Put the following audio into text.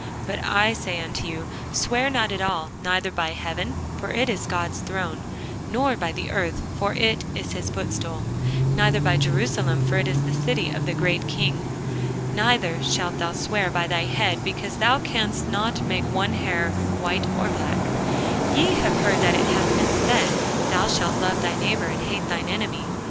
But I say unto you, Swear not at all; neither by heaven; for it is God's throne: nor by the earth; for it is his footstool: neither by Jerusalem; for it is the city of the great King. Neither shalt thou swear by thy head, because thou canst not make one hair white or black. Ye have heard that it hath been said, Thou shalt love thy neighbour, and hate thine enemy.